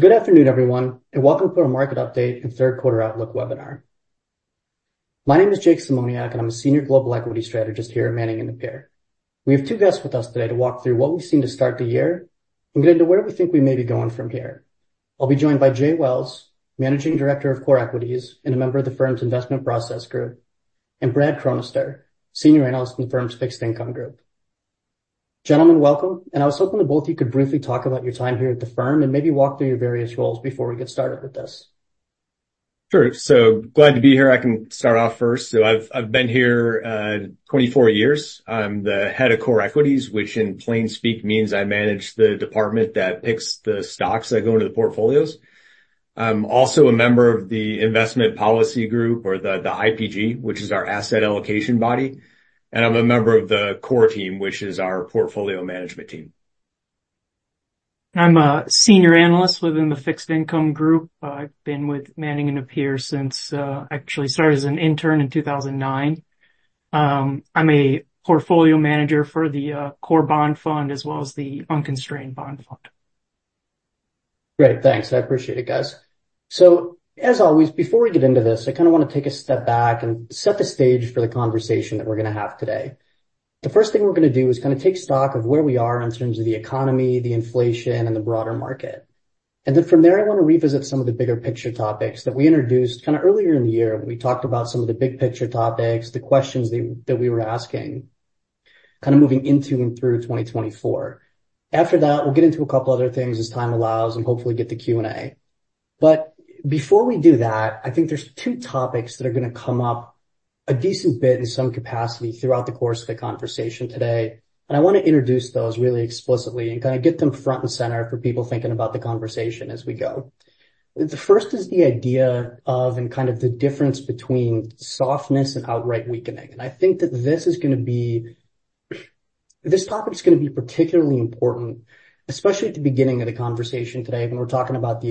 Good afternoon, everyone, and welcome to our market update and third quarter outlook webinar. My name is Jake Symoniak, and I'm a Senior Global Equities Strategist here at Manning & Napier. We have two guests with us today to walk through what we've seen to start the year and get into where we think we may be going from here. I'll be joined by Jay Welles, Managing Director of Core Equities and a member of the firm's Investment Policy Group, and Brad Cronister, senior analyst in the firm's Fixed Income Group. Gentlemen, welcome, and I was hoping that both of you could briefly talk about your time here at the firm and maybe walk through your various roles before we get started with this. Sure. So glad to be here. I can start off first. So I've been here 24 years. I'm the Head of Core Equities, which in plain speak means I manage the department that picks the stocks that go into the portfolios. I'm also a member of the Investment Policy Group or the IPG, which is our asset allocation body, and I'm a member of the Core Team, which is our portfolio management team. I'm a senior analyst within the Fixed Income Group. I've been with Manning & Napier since I actually started as an intern in 2009. I'm a portfolio manager for the core bond fund, as well as the unconstrained bond fund. Great. Thanks. I appreciate it, guys. So, as always, before we get into this, I kinda wanna take a step back and set the stage for the conversation that we're gonna have today. The first thing we're gonna do is kinda take stock of where we are in terms of the economy, the inflation, and the broader market. And then from there, I wanna revisit some of the bigger picture topics that we introduced kinda earlier in the year when we talked about some of the big picture topics, the questions that we were asking, kind of moving into and through 2024. After that, we'll get into a couple other things as time allows and hopefully get to Q&A. Before we do that, I think there's two topics that are gonna come up a decent bit in some capacity throughout the course of the conversation today, and I wanna introduce those really explicitly and kinda get them front and center for people thinking about the conversation as we go. The first is the idea of, and kind of the difference between softness and outright weakening, and I think that this is gonna be this topic is gonna be particularly important, especially at the beginning of the conversation today, when we're talking about the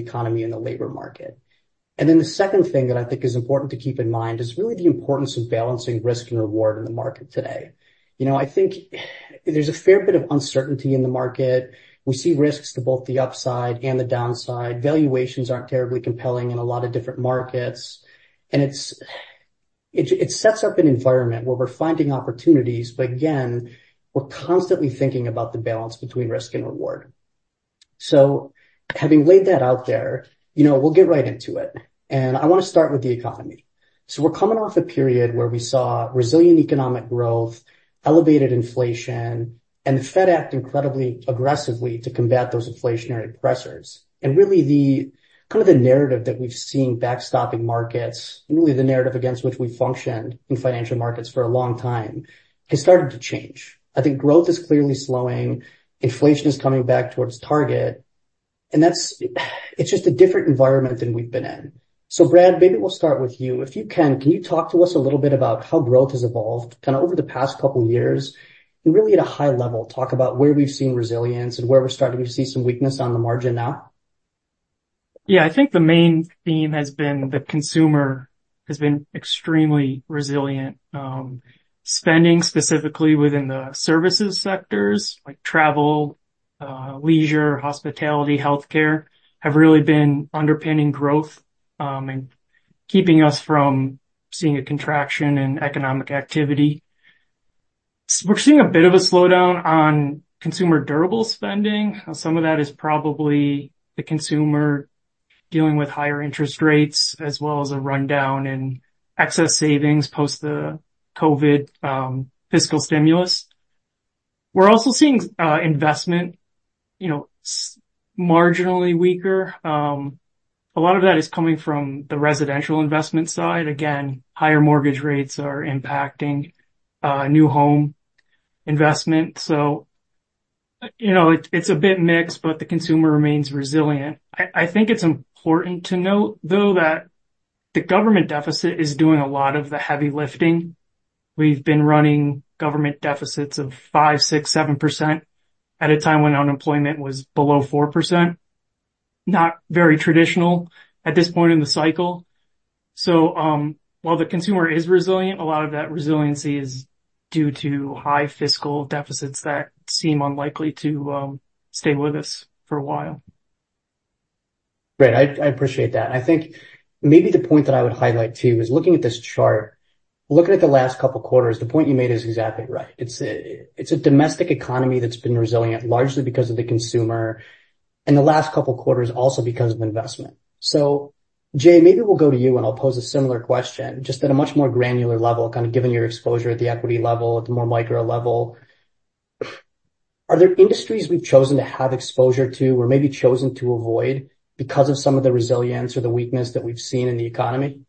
economy and the labor market. Then the second thing that I think is important to keep in mind is really the importance of balancing risk and reward in the market today. You know, I think there's a fair bit of uncertainty in the market. We see risks to both the upside and the downside. Valuations aren't terribly compelling in a lot of different markets, and it sets up an environment where we're finding opportunities, but again, we're constantly thinking about the balance between risk and reward. So having laid that out there, you know, we'll get right into it, and I wanna start with the economy. So we're coming off a period where we saw resilient economic growth, elevated inflation, and the Fed act incredibly aggressively to combat those inflationary pressures. And really, the narrative that we've seen backstopping markets, really the narrative against which we functioned in financial markets for a long time, has started to change. I think growth is clearly slowing, inflation is coming back towards target, and that's just a different environment than we've been in. So Brad, maybe we'll start with you. If you can, can you talk to us a little bit about how growth has evolved kinda over the past couple of years, and really, at a high level, talk about where we've seen resilience and where we're starting to see some weakness on the margin now? Yeah, I think the main theme has been the consumer has been extremely resilient. Spending, specifically within the services sectors like travel, leisure, hospitality, healthcare, have really been underpinning growth and keeping us from seeing a contraction in economic activity. We're seeing a bit of a slowdown on consumer durable spending. Some of that is probably the consumer dealing with higher interest rates as well as a rundown in excess savings post the COVID fiscal stimulus. We're also seeing investment, you know, marginally weaker. A lot of that is coming from the residential investment side. Again, higher mortgage rates are impacting new home investment, so, you know, it's a bit mixed, but the consumer remains resilient. I think it's important to note, though, that the government deficit is doing a lot of the heavy lifting. We've been running government deficits of 5%, 6%, 7% at a time when unemployment was below 4%. Not very traditional at this point in the cycle. So, while the consumer is resilient, a lot of that resiliency is due to high fiscal deficits that seem unlikely to stay with us for a while. Great. I appreciate that. And I think maybe the point that I would highlight, too, is looking at this chart, looking at the last couple of quarters, the point you made is exactly right. It's a domestic economy that's been resilient, largely because of the consumer, and the last couple of quarters, also because of investment. So, Jay, maybe we'll go to you, and I'll pose a similar question just at a much more granular level kinda given your exposure at the equity level, at the more micro level. Are there industries we've chosen to have exposure to or maybe chosen to avoid because of some of the resilience or the weakness that we've seen in the economy?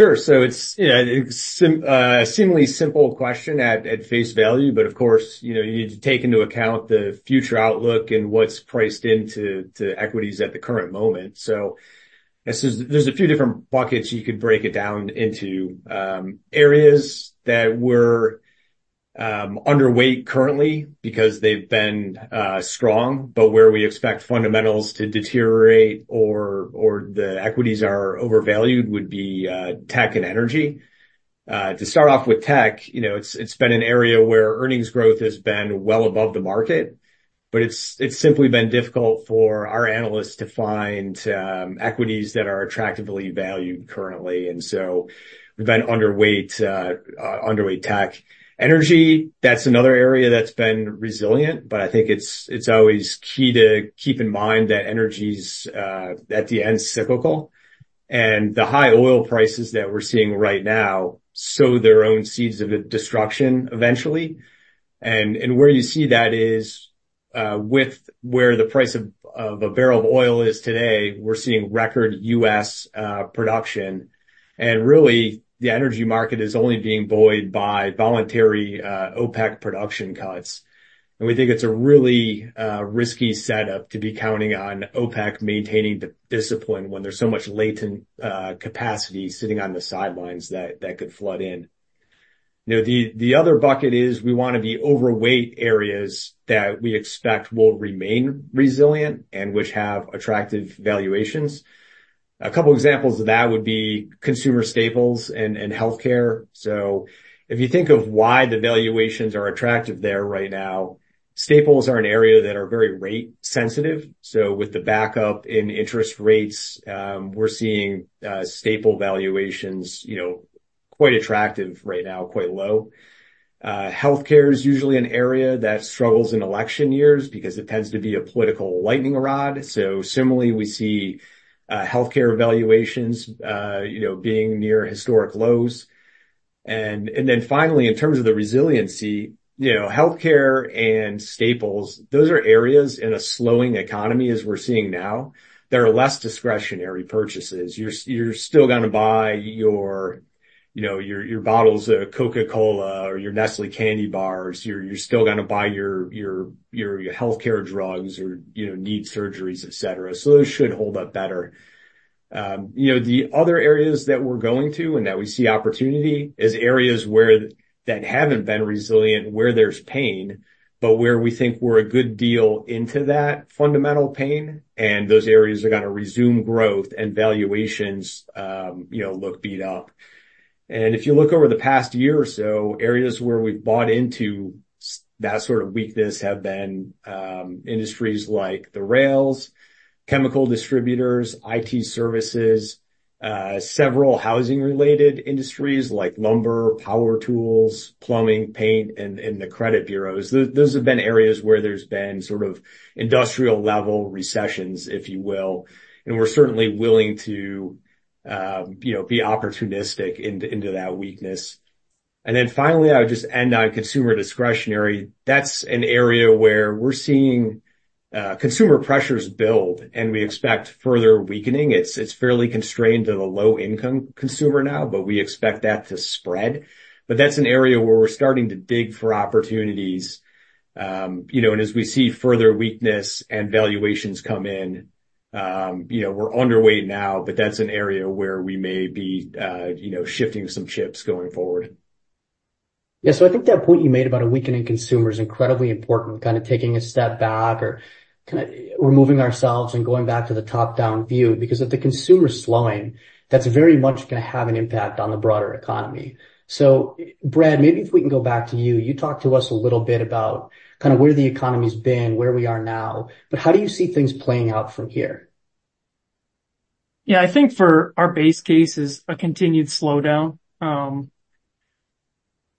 Sure. So it's, yeah, it's a seemingly simple question at face value, but of course, you know, you need to take into account the future outlook and what's priced into equities at the current moment. So I'd say there's a few different buckets you could break it down into. Areas that we're underweight currently because they've been strong but where we expect fundamentals to deteriorate or the equities are overvalued would be tech and energy. To start off, with tech, you know, it's been an area where earnings growth has been well above the market, but it's simply been difficult for our analysts to find equities that are attractively valued currently. And so we've been underweight tech. Energy, that's another area that's been resilient, but I think it's always key to keep in mind that energy is, at the end, cyclical, and the high oil prices that we're seeing right now sow their own seeds of destruction eventually. And where you see that is with where the price of a barrel of oil is today, we're seeing record U.S. production. And really, the energy market is only being buoyed by voluntary OPEC production cuts. And we think it's a really risky setup to be counting on OPEC maintaining the discipline when there's so much latent capacity sitting on the sidelines that could flood in. You know, the other bucket is we wanna be overweight areas that we expect will remain resilient and which have attractive valuations. A couple examples of that would be consumer staples and healthcare. So if you think of why the valuations are attractive there right now, staples are an area that are very rate-sensitive. So with the backup in interest rates, we're seeing staple valuations, you know, quite attractive right now, quite low. Healthcare is usually an area that struggles in election years because it tends to be a political lightning rod. So similarly, we see healthcare valuations, you know, being near historic lows. And then finally, in terms of the resiliency, you know, healthcare and staples, those are areas in a slowing economy as we're seeing now that are less discretionary purchases. You're still gonna buy your, you know, your bottles of Coca-Cola or your Nestlé candy bars. You're still gonna buy your healthcare drugs or, you know, need surgeries, et cetera. So those should hold up better. You know, the other areas that we're going to and that we see opportunity is areas where that haven't been resilient where there's pain, but where we think we're a good deal into that fundamental pain, and those areas are gonna resume growth and valuations look beat up. And if you look over the past year or so, areas where we've bought into, that sort of weakness have been industries like the rails, chemical distributors, IT services, several housing-related industries like lumber, power tools, plumbing, paint, and the credit bureaus. Those have been areas where there's been sort of industrial-level recessions, if you will, and we're certainly willing to, you know, be opportunistic into that weakness. And then finally, I would just end on consumer discretionary. That's an area where we're seeing consumer pressures build, and we expect further weakening. It's fairly constrained to the low-income consumer now, but we expect that to spread. But that's an area where we're starting to dig for opportunities. You know, and as we see further weakness and valuations come in, you know, we're underweight now, but that's an area where we may be, you know, shifting some chips going forward. Yeah, so I think that point you made about a weakening consumer is incredibly important, kind of taking a step back or kind of removing ourselves and going back to the top-down view. Because if the consumer is slowing, that's very much gonna have an impact on the broader economy. So Brad, maybe if we can go back to you. You talked to us a little bit about kind of where the economy's been, where we are now, but how do you see things playing out from here? Yeah, I think for our base case is a continued slowdown.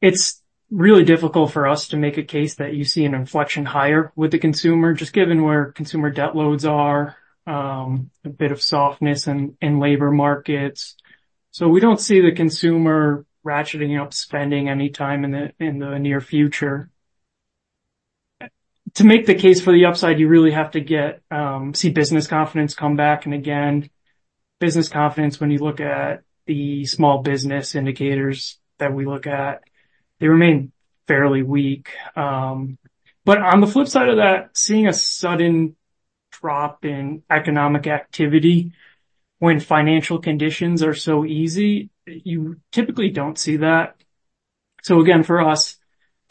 It's really difficult for us to make a case that you see an inflection higher with the consumer, just given where consumer debt loads are, a bit of softness in labor markets. So we don't see the consumer ratcheting up spending any time in the near future. To make the case for the upside, you really have to see business confidence come back, and again, business confidence, when you look at the small business indicators that we look at, they remain fairly weak. But on the flip side of that, seeing a sudden drop in economic activity when financial conditions are so easy, you typically don't see that. So again, for us,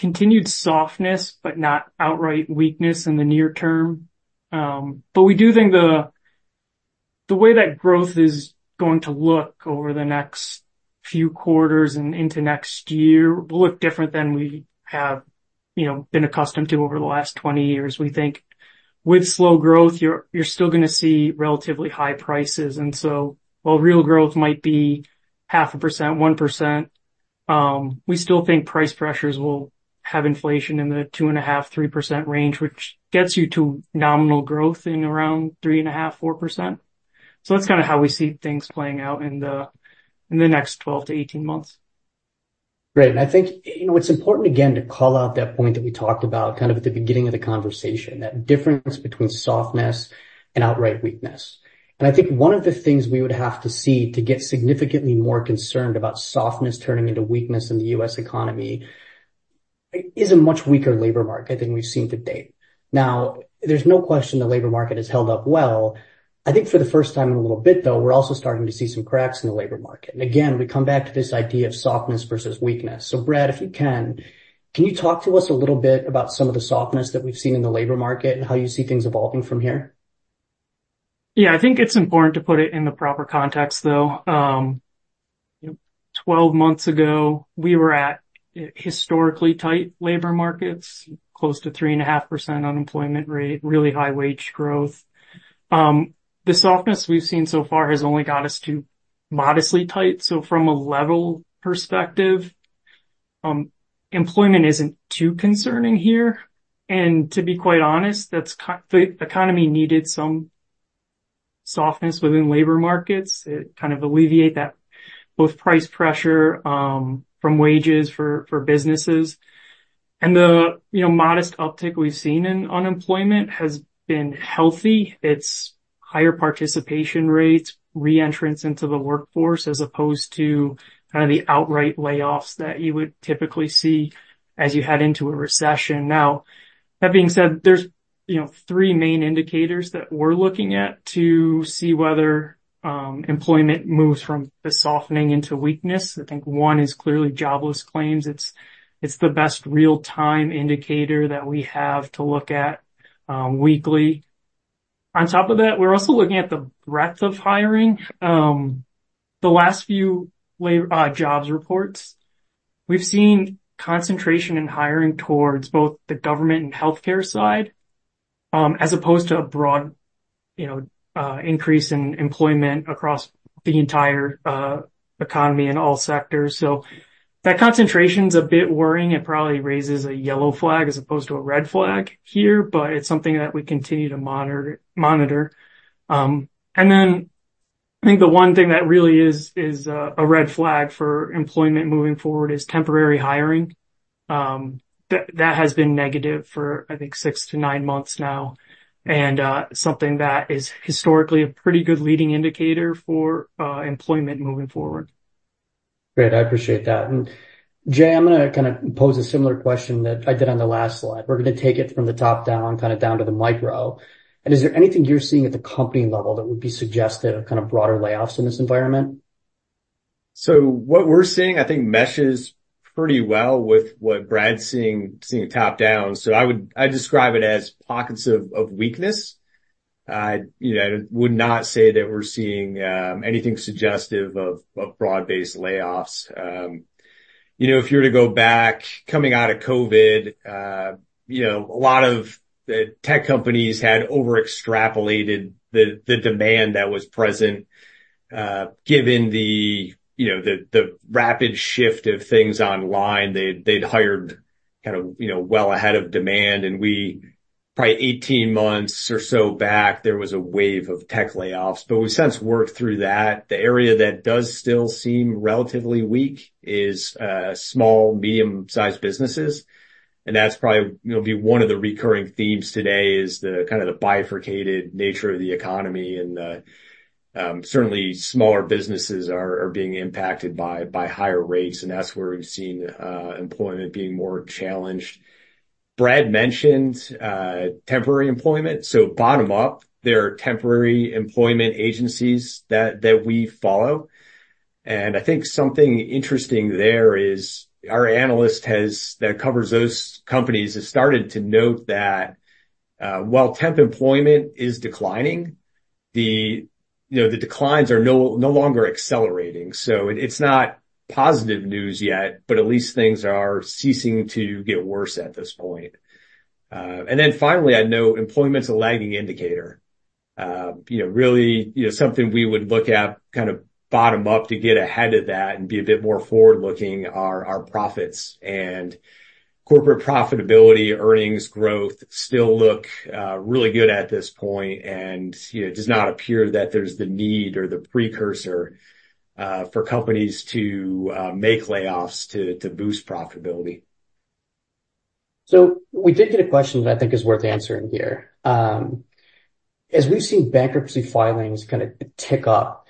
continued softness but not outright weakness in the near term, but we do think the way that growth is going to look over the next few quarters and into next year will look different than we have, you know, been accustomed to over the last 20 years. We think, with slow growth, you're still gonna see relatively high prices, and so while real growth might be 0.5%, 1%, we still think price pressures will have inflation in the 2.5%, 3% range, which gets you to nominal growth in around 3.5%, 4%. So that's kind of how we see things playing out in the next 12-18 months. Great. And I think, you know, it's important again to call out that point that we talked about kind of at the beginning of the conversation, that difference between softness and outright weakness. And I think one of the things we would have to see to get significantly more concerned about softness turning into weakness in the U.S. economy is a much weaker labor market than we've seen to date. Now, there's no question the labor market has held up well. I think, for the first time in a little bit, though, we're also starting to see some cracks in the labor market. And again, we come back to this idea of softness versus weakness, so Brad, if you can, can you talk to us a little bit about some of the softness that we've seen in the labor market and how you see things evolving from here? Yeah, I think it's important to put it in the proper context, though. 12 months ago, we were at historically tight labor markets, close to 3.5% unemployment rate, really high wage growth. The softness we've seen so far has only got us to modestly tight. So from a level perspective, employment isn't too concerning here, and to be quite honest, that's the economy needed some softness within labor markets. It kind of alleviate that both price pressure from wages for businesses. And the, you know, modest uptick we've seen in unemployment has been healthy. It's higher participation rates, reentrance into the workforce, as opposed to kind of the outright layoffs that you would typically see as you head into a recession. Now, that being said, there's, you know, three main indicators that we're looking at to see whether employment moves from a softening into weakness. I think one is clearly jobless claims. It's the best real-time indicator that we have to look at weekly. On top of that, we're also looking at the breadth of hiring. The last few jobs reports, we've seen concentration in hiring towards both the government and healthcare side, as opposed to a broad, you know, increase in employment across the entire economy in all sectors. So that concentration's a bit worrying. It probably raises a yellow flag as opposed to a red flag here, but it's something that we continue to monitor. And then I think the one thing that really is a red flag for employment moving forward is temporary hiring. That has been negative for, I think, six-nine months now, and something that is historically a pretty good leading indicator for employment moving forward. Great, I appreciate that. Jay, I'm gonna kinda pose a similar question that I did on the last slide. We're gonna take it from the top down, kind of down to the micro. Is there anything you're seeing at the company level that would be suggestive of kind of broader layoffs in this environment? So what we're seeing, I think, meshes pretty well with what Brad's seeing it top-down. So I'd describe it as pockets of weakness. I, you know, would not say that we're seeing anything suggestive of broad-based layoffs. You know, if you were to go back, coming out of COVID, you know, a lot of the tech companies had over-extrapolated the demand that was present. Given the, you know, the rapid shift of things online, they'd hired kind of, you know, well ahead of demand, and probably 18 months or so back, there was a wave of tech layoffs, but we've since worked through that. The area that does still seem relatively weak is small, medium-sized businesses, and that's probably, you know, be one of the recurring themes today, the kind of bifurcated nature of the economy. Certainly smaller businesses are being impacted by higher rates, and that's where we've seen employment being more challenged. Brad mentioned temporary employment. So bottom up, there are temporary employment agencies that we follow, and I think something interesting there is our analyst that covers those companies has started to note that while temp employment is declining, you know, the declines are no longer accelerating. So it's not positive news yet, but at least things are ceasing to get worse at this point. And then finally, I'd note employment's a lagging indicator. You know, really, you know, something we would look at kind of bottom up to get ahead of that and be a bit more forward-looking are our profits. Corporate profitability, earnings growth still look really good at this point, and, you know, it does not appear that there's the need or the precursor for companies to make layoffs to boost profitability. So we did get a question that I think is worth answering here. As we've seen bankruptcy filings kind of tick up,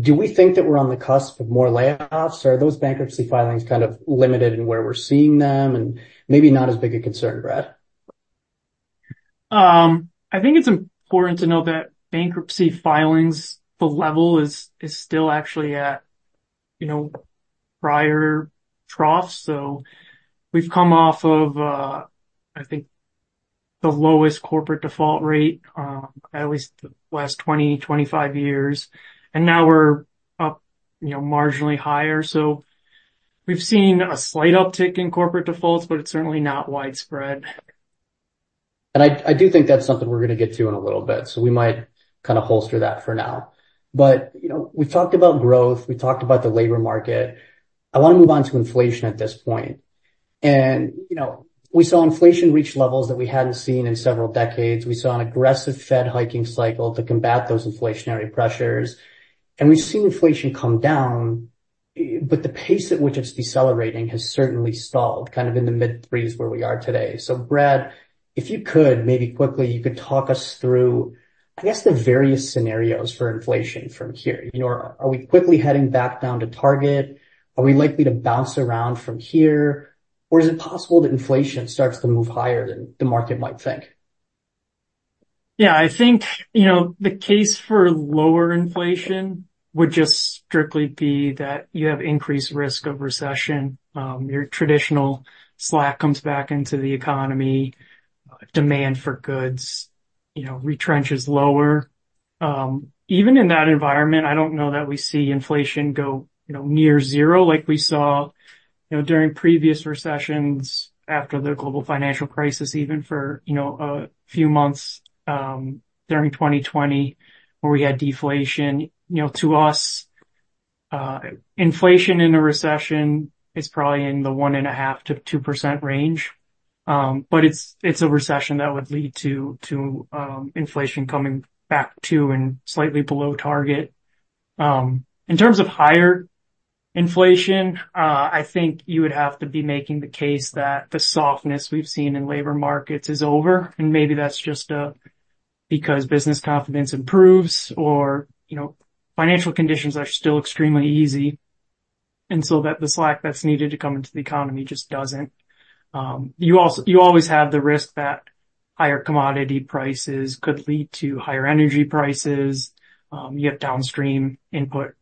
do we think that we're on the cusp of more layoffs, or are those bankruptcy filings kind of limited in where we're seeing them and maybe not as big a concern, Brad? I think it's important to note that, bankruptcy filings, the level is still actually at, you know, prior troughs. So we've come off of, I think, the lowest corporate default rate, at least the last 20, 25 years, and now we're up, you know, marginally higher. So we've seen a slight uptick in corporate defaults, but it's certainly not widespread. I do think that's something we're gonna get to in a little bit, so we might kinda holster that for now. But, you know, we've talked about growth, we've talked about the labor market. I wanna move on to inflation at this point. You know, we saw inflation reach levels that we hadn't seen in several decades. We saw an aggressive Fed hiking cycle to combat those inflationary pressures, and we've seen inflation come down, but the pace at which it's decelerating has certainly stalled, kind of in the mid-3s, where we are today. So Brad, if you could, maybe quickly, you could talk us through, I guess, the various scenarios for inflation from here. You know, are we quickly heading back down to target? Are we likely to bounce around from here, or is it possible that inflation starts to move higher than the market might think? Yeah, I think, you know, the case for lower inflation would just strictly be that you have increased risk of recession. Your traditional slack comes back into the economy. Demand for goods, you know, retrenches lower. Even in that environment, I don't know that we see inflation go, you know, near zero like we saw, you know, during previous recessions after the global financial crisis, even for, you know, a few months, during 2020, where we had deflation. You know, to us, inflation in a recession is probably in the 1.5%-2% range, but it's a recession that would lead to inflation coming back to and slightly below target. In terms of higher inflation, I think you would have to be making the case that the softness we've seen in labor markets is over, and maybe that's just because business confidence improves or, you know, financial conditions are still extremely easy, and so that the slack that's needed to come into the economy just doesn't. You always have the risk that higher commodity prices could lead to higher energy prices. You have downstream input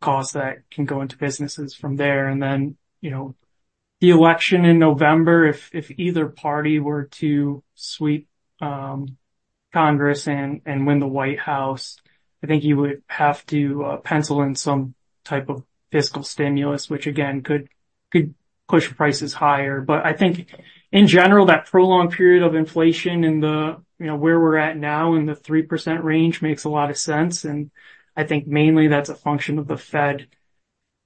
costs that can go into businesses from there. And then, you know, the election in November, if either party were to sweep Congress and win the White House, I think you would have to pencil in some type of fiscal stimulus, which again could push prices higher. But I think in general, that prolonged period of inflation in the, you know, where we're at now in the 3% range makes a lot of sense, and I think mainly that's a function of the Fed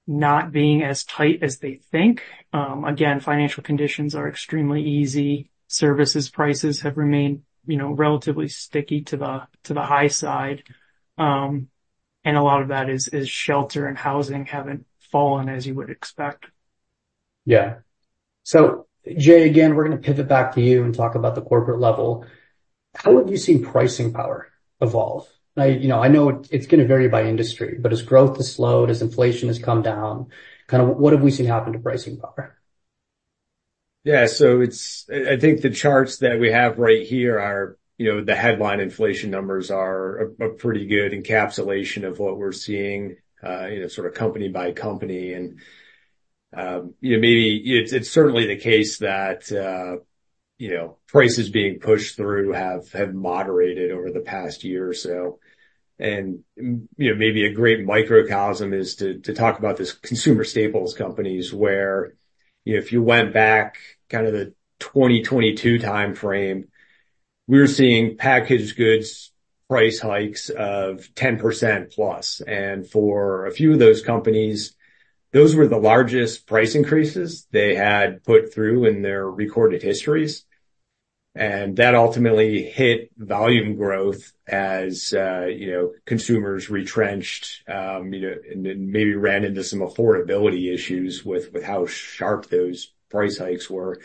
not being as tight as they think. Again, financial conditions are extremely easy. Services prices have remained, you know, relatively sticky to the high side, and a lot of that is shelter and housing haven't fallen as you would expect. Yeah. So, Jay, again, we're gonna pivot back to you and talk about the corporate level. How have you seen pricing power evolve? You know, I know it's gonna vary by industry, but as growth has slowed, as inflation has come down, kind of what have we seen happen to pricing power? Yeah. So it's I think the charts that we have right here are, you know, the headline inflation numbers are a pretty good encapsulation of what we're seeing, you know, sort of company by company. And, you know, maybe it's certainly the case that, you know, prices being pushed through have moderated over the past year or so. And, you know, maybe a great microcosm is to talk about these consumer staples companies, where, you know, if you went back kind of the 2022 timeframe, we were seeing packaged goods price hikes of 10%+. And for a few of those companies, those were the largest price increases they had put through in their recorded histories. That ultimately hit volume growth as, you know, consumers retrenched, you know, and then maybe ran into some affordability issues with how sharp those price hikes were.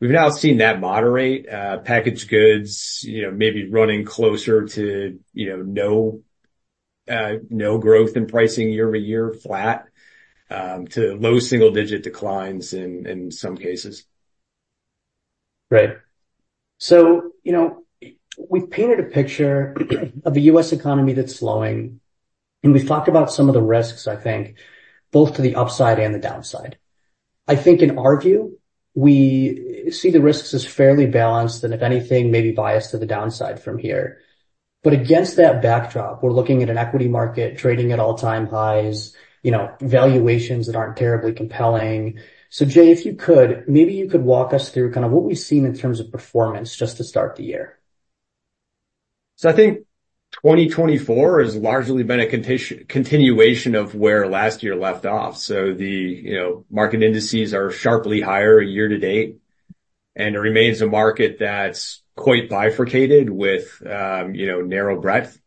We've now seen that moderate, packaged goods, you know, maybe running closer to, you know, no growth in pricing year-over-year, flat to low single-digit declines in some cases. Right. So, you know, we've painted a picture of the U.S. economy that's slowing, and we've talked about some of the risks, I think, both to the upside and the downside. I think, in our view, we see the risks as fairly balanced and, if anything, maybe biased to the downside from here, but against that backdrop, we're looking at an equity market trading at all-time highs, you know, valuations that aren't terribly compelling. So, Jay, if you could, maybe you could walk us through kind of what we've seen in terms of performance just to start the year. So I think 2024 has largely been a continuation of where last year left off. So the, you know, market indices are sharply higher year-to-date, and it remains a market that's quite bifurcated with, you know, narrow breadth.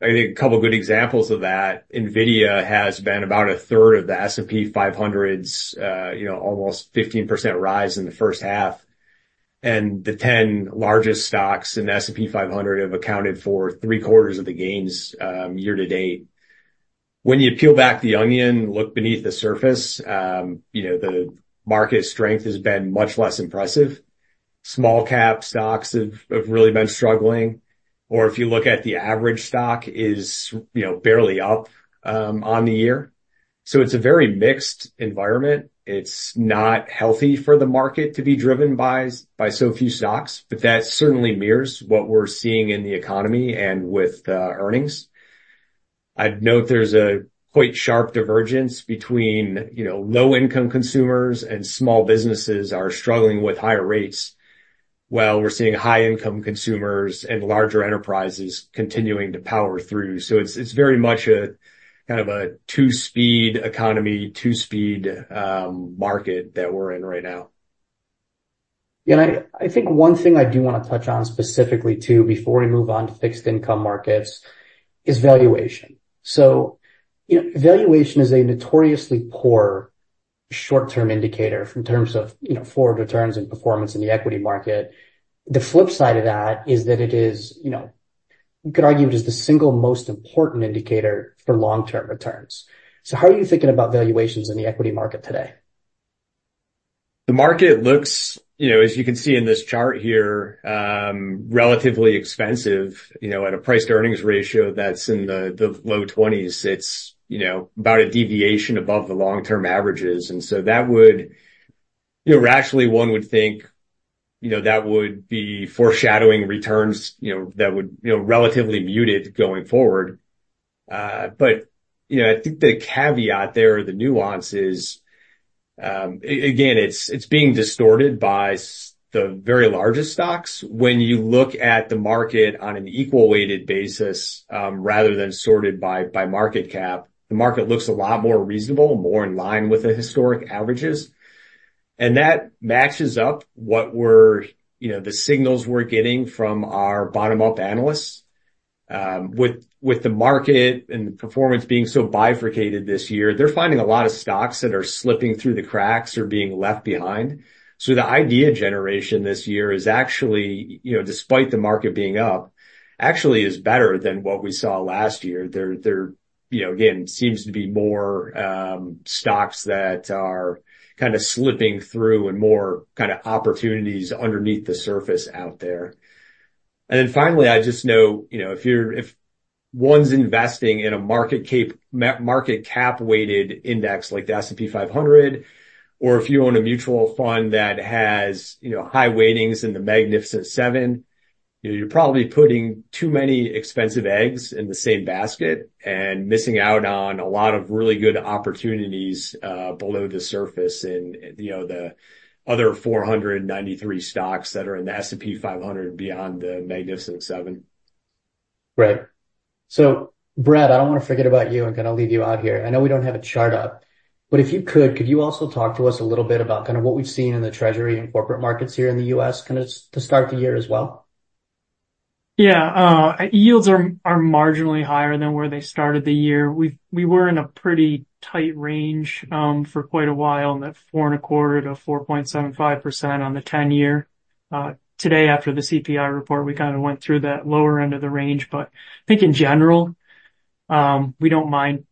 I think, a couple of good examples of that, NVIDIA has been about 1/3 of the S&P 500's, you know, almost 15% rise in the first half, and the 10 largest stocks in the S&P 500 have accounted for 3/4 of the gains year-to-date. When you peel back the onion, look beneath the surface, you know, the market strength has been much less impressive. Small-cap stocks have really been struggling. Or if you look at the average stock is, you know, barely up on the year, so it's a very mixed environment. It's not healthy for the market to be driven by so few stocks, but that certainly mirrors what we're seeing in the economy and with the earnings. I'd note there's a quite sharp divergence between, you know, low-income consumers and small businesses are struggling with higher rates, while we're seeing high-income consumers and larger enterprises continuing to power through. So it's very much a kind of a two-speed economy, two-speed market that we're in right now. I think one thing I do wanna touch on specifically, too, before we move on to fixed income markets is valuation. So, you know, valuation is a notoriously poor short-term indicator in terms of, you know, forward returns and performance in the equity market. The flip side of that is that it is, you know, you could argue it is the single most important indicator for long-term returns. So how are you thinking about valuations in the equity market today? The market looks, you know, as you can see in this chart here, relatively expensive, you know, at a price-to-earnings ratio that's in the low 20s. It's, you know, about a deviation above the long-term averages, and so that would, you know, actually one would think, you know, that would be foreshadowing returns, you know, that would, you know, relatively muted going forward. But, you know, I think the caveat there, the nuance, is again it's being distorted by the very largest stocks. When you look at the market on an equal-weighted basis rather than sorted by market cap, the market looks a lot more reasonable, more in line with the historic averages. And that matches up what we're, you know, the signals we're getting from our bottom-up analysts. With the market and the performance being so bifurcated this year, they're finding a lot of stocks that are slipping through the cracks or being left behind. So the idea generation this year is actually, you know, despite the market being up, actually is better than what we saw last year. There, you know, again, seems to be more stocks that are kind of slipping through and more kind of opportunities underneath the surface out there. Finally, I'd just note, you know, if one's investing in a market cap weighted index like the S&P 500, or if you own a mutual fund that has, you know, high weightings in the Magnificent Seven, you're probably putting too many expensive eggs in the same basket and missing out on a lot of really good opportunities below the surface in, you know, the other 493 stocks that are in the S&P 500 beyond the Magnificent Seven. Right. So Brad, I don't wanna forget about you and kind of leave you out here. I know we don't have a chart up, but if you could, could you also talk to us a little bit about kind of what we've seen in the treasury and corporate markets here in the U.S. kind of to start the year as well? Yeah, yields are marginally higher than where they started the year. We were in a pretty tight range for quite a while on that 4.25%-4.75% on the 10-year. Today, after the CPI report, we kind of went through that lower end of the range, but I think in general, we don't mind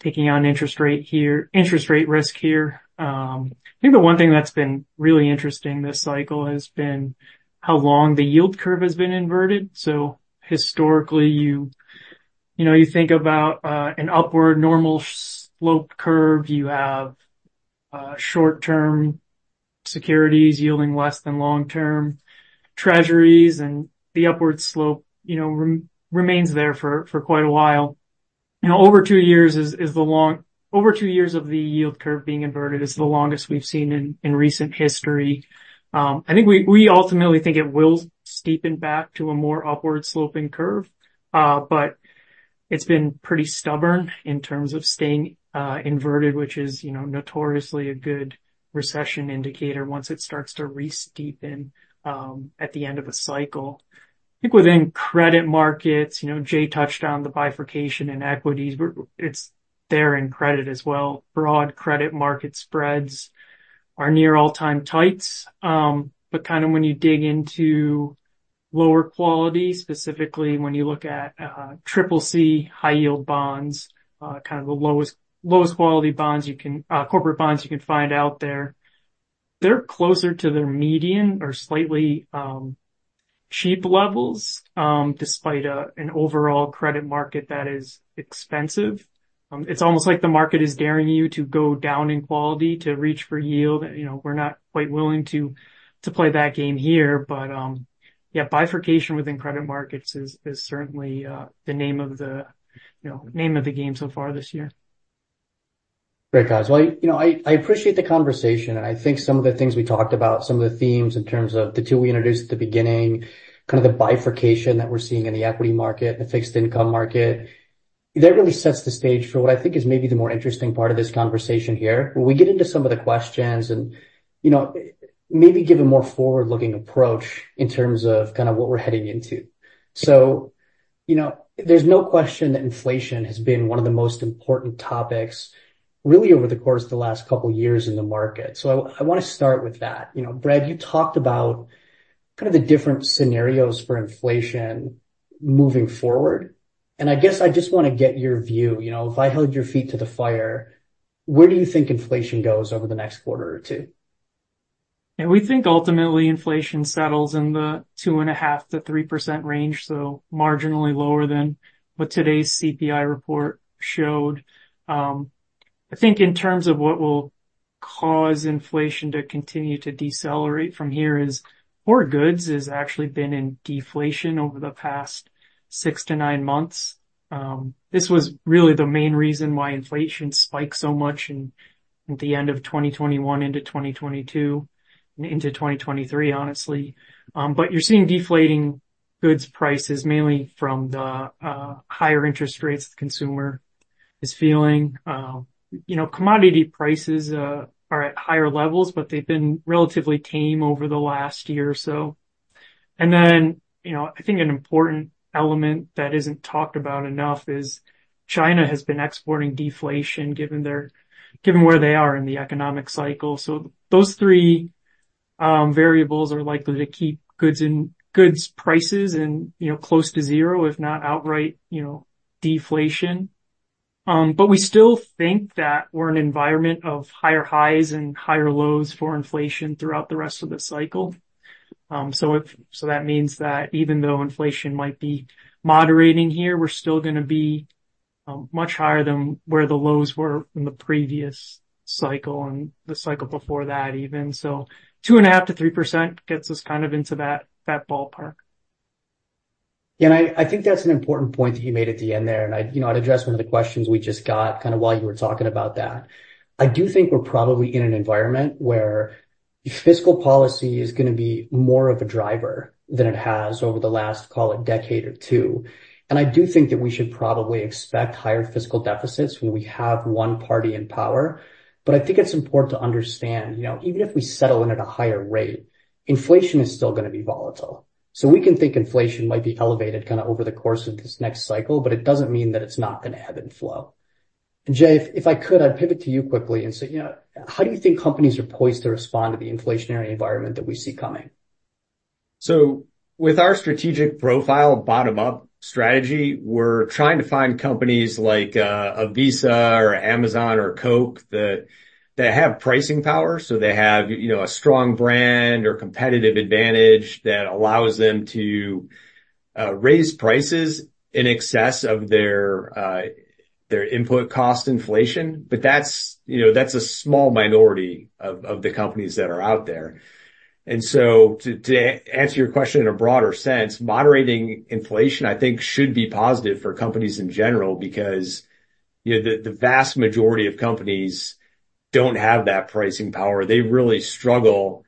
taking on interest rate here, interest rate risk here. I think the one thing that's been really interesting this cycle has been how long the yield curve has been inverted. So historically, you think about, an upward normal slope curve. You have short-term securities yielding less than long-term treasuries, and the upward slope, you know, remains there for quite a while. You know, over two years is the long. Over two years of the yield curve being inverted is the longest we've seen in recent history. I think we ultimately think it will steepen back to a more upward sloping curve, but it's been pretty stubborn in terms of staying inverted, which is, you know, notoriously a good recession indicator once it starts to re-steepen at the end of a cycle. I think, within credit markets, you know, Jay touched on the bifurcation in equities, but it's there in credit as well. Broad credit market spreads are near all-time tights, but kind of when you dig into lower quality, specifically when you look at CCC high-yield bonds, kind of the lowest-quality bonds you can, corporate bonds you can find out there, they're closer to their median or slightly cheap levels despite an overall credit market that is expensive. It's almost like the market is daring you to go down in quality to reach for yield, and, you know, we're not quite willing to play that game here, but, yeah, bifurcation within credit markets is certainly the name of the, you know, name of the game so far this year. Great, guys. Well, you know, I appreciate the conversation, and I think some of the things we talked about, some of the themes in terms of the two we introduced at the beginning, kind of the bifurcation that we're seeing in the equity market, the fixed income market, that really sets the stage for what I think is maybe the more interesting part of this conversation here, where we get into some of the questions and, you know, maybe give a more forward-looking approach in terms of kind of what we're heading into. So, you know, there's no question that inflation has been one of the most important topics, really, over the course of the last couple of years in the market, so I wanna start with that. You know, Brad, you talked about kind of the different scenarios for inflation moving forward, and I guess I just wanna get your view. You know, if I held your feet to the fire, where do you think inflation goes over the next quarter or two? Yeah, we think ultimately inflation settles in the 2.5%-3% range, so marginally lower than what today's CPI report showed. I think in terms of what will cause inflation to continue to decelerate from here is core goods has actually been in deflation over the past six-nine months. This was really the main reason why inflation spiked so much in at the end of 2021, into 2022 and into 2023, honestly, but you're seeing deflating goods prices mainly from the higher interest rates the consumer is feeling. You know, commodity prices are at higher levels, but they've been relatively tame over the last year or so. Then, you know, I think an important element that isn't talked about enough is China has been exporting deflation given where they are in the economic cycle. So those three variables are likely to keep goods in, goods prices in, you know, close to zero, if not outright, you know, deflation, but we still think that we're in an environment of higher highs and higher lows for inflation throughout the rest of the cycle. So that means that even though inflation might be moderating here, we're still gonna be much higher than where the lows were in the previous cycle and the cycle before that even. So 2.5%-3% gets us kind of into that ballpark. Yeah, and I think that's an important point that you made at the end there. And you know, I'd address one of the questions we just got kind of while you were talking about that. I do think we're probably in an environment where fiscal policy is gonna be more of a driver than it has over the last, call it, decade or two. And I do think that we should probably expect higher fiscal deficits when we have one party in power, but I think it's important to understand, you know, even if we settle in at a higher rate, inflation is still gonna be volatile. So we can think inflation might be elevated kind of over the course of this next cycle, but it doesn't mean that it's not gonna ebb and flow. Jay, if I could, I'd pivot to you quickly. And so, you know, how do you think companies are poised to respond to the inflationary environment that we see coming? So with our strategic profile, bottom-up strategy, we're trying to find companies like a Visa or Amazon or Coke that have pricing power. So they have, you know, a strong brand or competitive advantage that allows them to raise prices in excess of their input cost inflation, but that's, you know, that's a small minority of the companies that are out there. And so to answer your question in a broader sense. Moderating inflation, I think, should be positive for companies in general because, you know, the vast majority of companies don't have that pricing power. They really struggle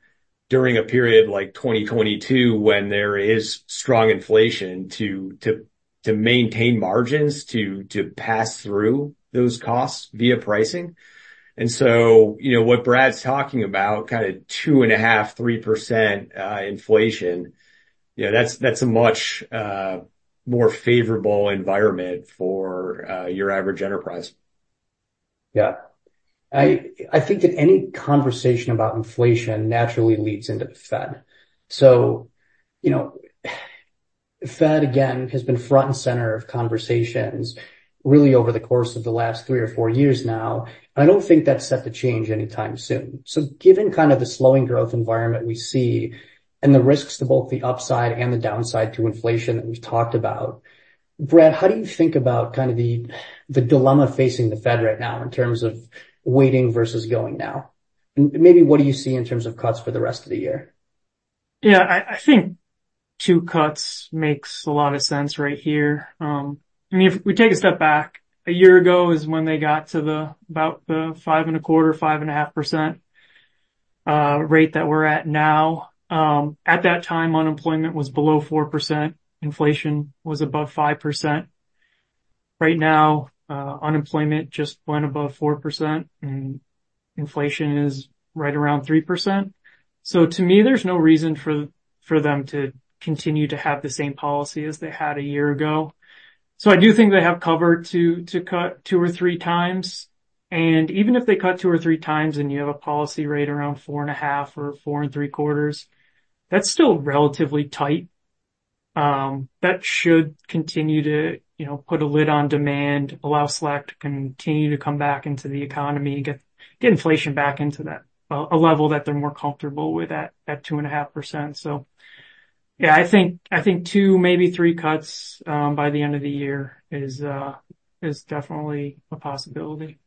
during a period like 2022, when there is strong inflation, to maintain margins, to pass through those costs via pricing. And so, you know, what Brad's talking about, kind of 2.5%, 3% inflation, you know, that's a much more favorable environment for your average enterprise. Yeah. I think that any conversation about inflation naturally leads into the Fed. So, you know, the Fed, again, has been front and center of conversations really over the course of the last three or four years now, and I don't think that's set to change anytime soon. So given kind of the slowing growth environment we see and the risks to both the upside and the downside to inflation that we've talked about, Brad, how do you think about kind of the dilemma facing the Fed right now in terms of waiting versus going now? And maybe what do you see in terms of cuts for the rest of the year? Yeah, I think two cuts makes a lot of sense right here. And if we take a step back, a year ago is when they got to about the 5.25%, 5.5% rate that we're at now. At that time, unemployment was below 4%, inflation was above 5%. Right now, unemployment just went above 4%, and inflation is right around 3%. So to me, there's no reason for them to continue to have the same policy as they had a year ago. So I do think they have cover to cut two or three times, and even if they cut two or three times and you have a policy rate around 4.5% or 4.75%, that's still relatively tight. That should continue to, you know, put a lid on demand, allow slack to continue to come back into the economy and get inflation back into that a level that they're more comfortable with, at 2.5%. So yeah, I think two, maybe three, cuts by the end of the year is definitely a possibility.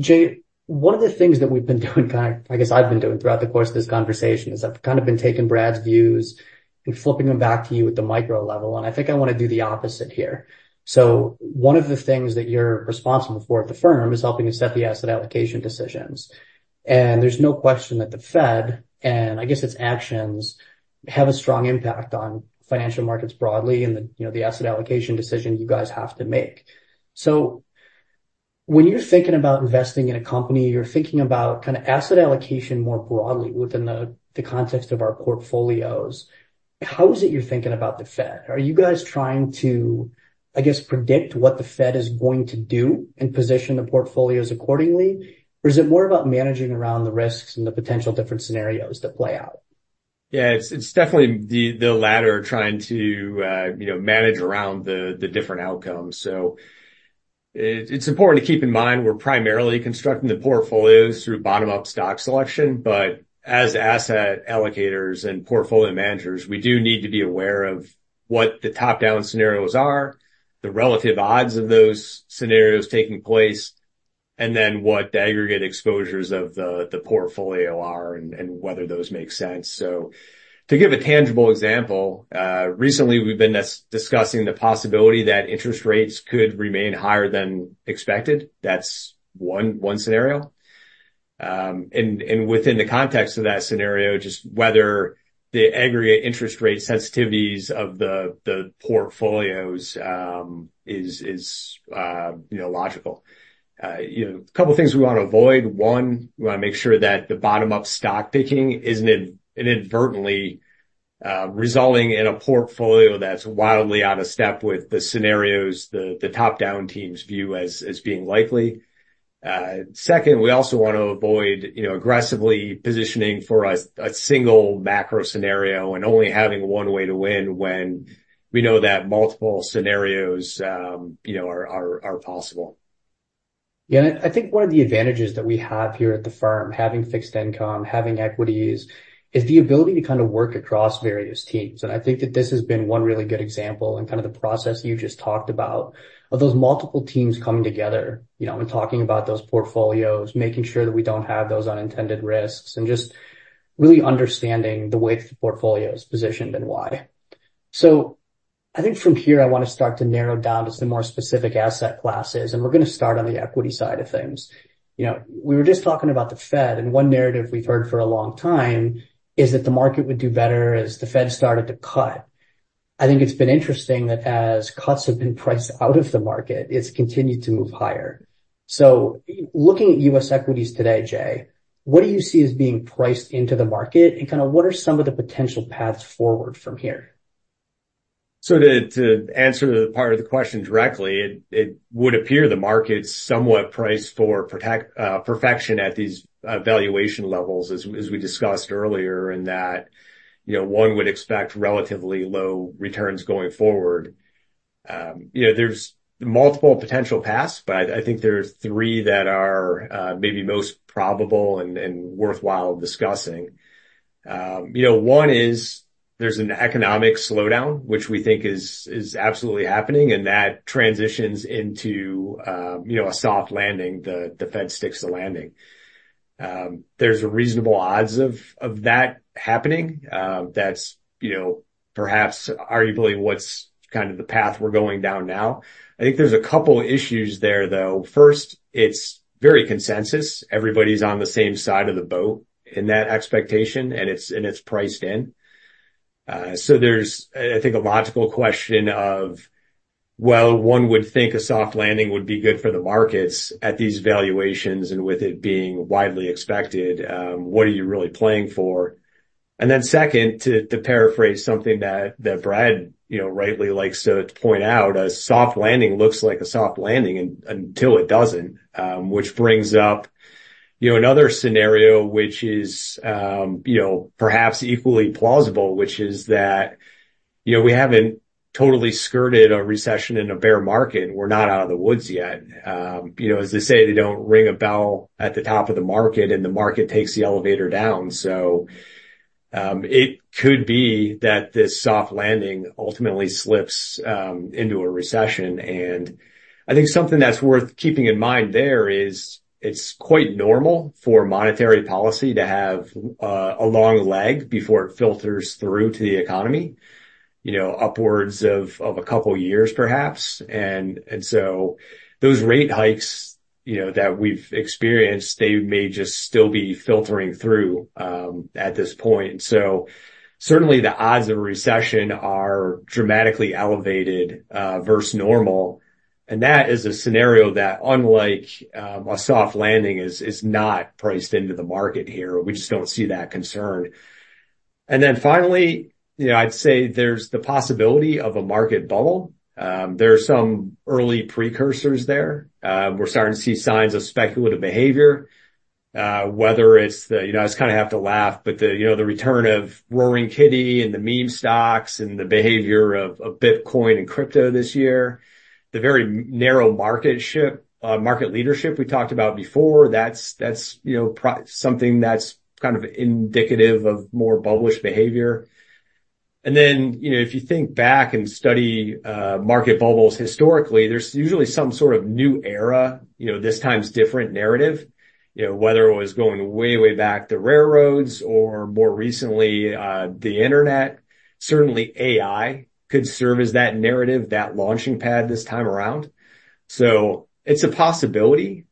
Jay, one of the things that we've been doing, I guess, I've been doing throughout the course of this conversation is I've kind of been taking Brad's views and flipping them back to you at the micro level, and I think I want to do the opposite here. So one of the things that you're responsible for at the firm is helping us set the asset allocation decisions. And there's no question that the Fed and, I guess, its actions have a strong impact on financial markets broadly and the, you know, the asset allocation decisions you guys have to make. So when you're thinking about investing in a company, you're thinking about kind of asset allocation more broadly within the context of our portfolios. How is it you're thinking about the Fed? Are you guys trying to, I guess, predict what the Fed is going to do and position the portfolios accordingly? Or is it more about managing around the risks and the potential different scenarios that play out? Yeah, it's definitely the latter, trying to, you know, manage around the different outcomes. So it's important to keep in mind we're primarily constructing the portfolios through bottom-up stock selection, but as asset allocators and portfolio managers, we do need to be aware of what the top-down scenarios are, the relative odds of those scenarios taking place, and then what the aggregate exposures of the portfolio are and whether those make sense. So to give a tangible example. Recently, we've been discussing the possibility that interest rates could remain higher than expected. That's one scenario. And within the context of that scenario, just whether the aggregate interest rate sensitivities of the portfolios is, you know, logical. You know, a couple of things we want to avoid. One, we want to make sure that the bottom-up stock picking isn't inadvertently resulting in a portfolio that's wildly out of step with the scenarios the top-down teams view as being likely. Second, we also want to avoid, you know, aggressively positioning for a single macro scenario and only having one way to win when we know that multiple scenarios are possible. Yeah, and I think one of the advantages that we have here at the firm, having fixed income, having equities, is the ability to kind of work across various teams. And I think that this has been one really good example and kind of the process you've just talked about of those multiple teams coming together, you know, and talking about those portfolios, making sure that we don't have those unintended risks, and just really understanding the way the portfolio is positioned and why. So I think, from here, I want to start to narrow down to some more specific asset classes, and we're gonna start on the equity side of things. You know, we were just talking about the Fed, and one narrative we've heard for a long time is that the market would do better as the Fed started to cut. I think it's been interesting that, as cuts have been priced out of the market, it's continued to move higher, so looking at U.S. equities today, Jay, what do you see as being priced into the market? And kind of what are some of the potential paths forward from here? So to answer the part of the question directly. It would appear the market's somewhat priced for perfection at these valuation levels, as we discussed earlier, in that, you know, one would expect relatively low returns going forward. You know, there's multiple potential paths, but I think there are three that are maybe most probable and worthwhile discussing. You know, one is there's an economic slowdown, which we think is absolutely happening, and that transitions into, you know, a soft landing, the Fed sticks the landing. There's reasonable odds of that happening. That's, you know, perhaps arguably what's kind of the path we're going down now. I think there's a couple issues there, though. First, it's very consensus. Everybody's on the same side of the boat in that expectation, and it's priced in. So there's, I think, a logical question of, well, one would think a soft landing would be good for the markets at these valuations, and with it being widely expected, what are you really playing for? And then second, to paraphrase something that Brad, you know, rightly likes to point out, a soft landing looks like a soft landing until it doesn't, which brings up, you know, another scenario, which is, you know, perhaps equally plausible, which is that, you know, we haven't totally skirted a recession in a bear market. We're not out of the woods yet. You know, as they say, they don't ring a bell at the top of the market, and the market takes the elevator down. So it could be that this soft landing ultimately slips into a recession. And I think something that's worth keeping in mind there is it's quite normal for monetary policy to have a long lag before it filters through to the economy, you know, upwards of a couple years perhaps. And so those rate hikes, you know, that we've experienced, they may just still be filtering through at this point. So certainly, the odds of a recession are dramatically elevated versus normal, and that is a scenario that, unlike a soft landing, is not priced into the market here. We just don't see that concern. And then finally, you know, I'd say there's the possibility of a market bubble. There are some early precursors there. We're starting to see signs of speculative behavior, whether it's, you know, I just kind of have to laugh, but the, you know, the return of Roaring Kitty and the meme stocks and the behavior of bitcoin and crypto this year. The very narrow market leadership we talked about before, that's, you know, something that's kind of indicative of more bullish behavior. And then, you know, if you think back and study market bubbles. Historically, there's usually some sort of new era, you know, this time's different narrative, you know, whether it was going way, way back to railroads or more recently the Internet. Certainly, AI could serve as that narrative, that launching pad this time around. So it's a possibility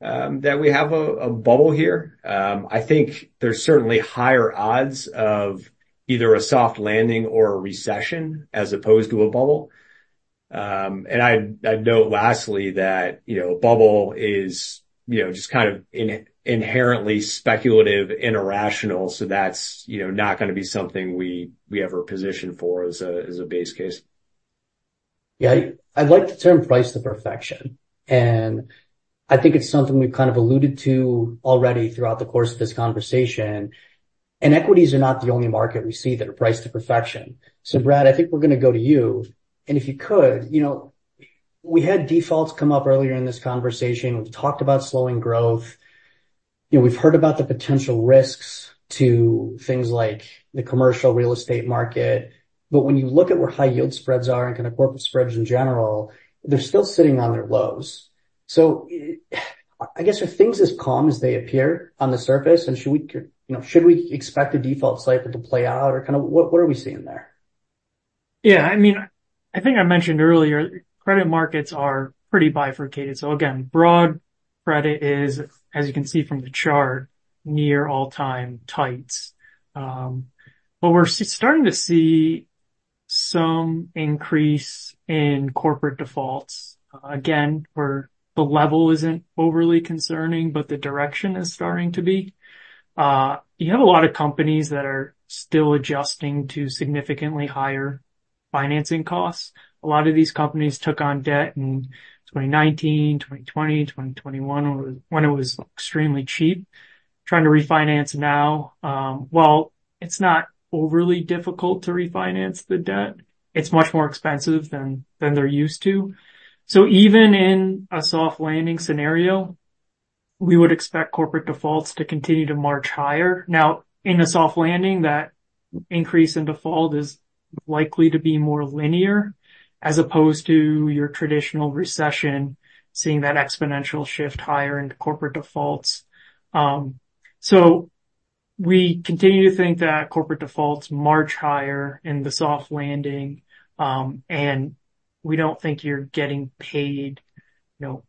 that we have a bubble here. I think there's certainly higher odds of either a soft landing or a recession as opposed to a bubble. I’d note lastly that, you know, a bubble is, you know, just kind of inherently speculative and irrational, so that’s, you know, not gonna be something we ever position for as a base case. Yeah, I like the term "priced to perfection," and I think it's something we've kind of alluded to already throughout the course of this conversation. And equities are not the only market we see that are priced to perfection. So Brad, I think we're gonna go to you, and if you could, you know, we had defaults come up earlier in this conversation. We've talked about slowing growth. You know, we've heard about the potential risks to things like the commercial real estate market, but when you look at where high yield spreads are and kind of corporate spreads in general, they're still sitting on their lows. So, I guess, are things as calm as they appear on the surface, and should we, you know, should we expect a default cycle to play out? Or kind of what are we seeing there? Yeah, I mean, I think I mentioned earlier credit markets are pretty bifurcated. So again, broad credit is, as you can see from the chart, near all-time tights, but we're starting to see some increase in corporate defaults, again where the level isn't overly concerning but the direction is starting to be. You have a lot of companies that are still adjusting to significantly higher financing costs. A lot of these companies took on debt in 2019, 2020, 2021, when it was extremely cheap, trying to refinance now. Well, it's not overly difficult to refinance the debt. It's much more expensive than they're used to, so even in a soft landing scenario, we would expect corporate defaults to continue to march higher. Now, in a soft landing, that increase in default is likely to be more linear, as opposed to your traditional recession, seeing that exponential shift higher into corporate defaults. So we continue to think that corporate defaults march higher in the soft landing, and we don't think you're getting paid, you know,